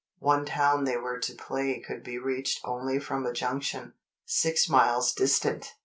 One town they were to play could be reached only from a junction, six miles distant.